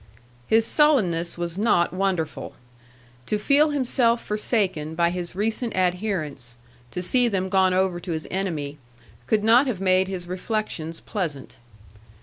His sullenness was not wonderful. To feel himself forsaken by his recent adherents, to see them gone over to his enemy, could not have made his reflections pleasant.